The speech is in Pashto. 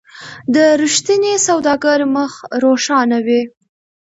د رښتیني سوداګر مخ روښانه وي.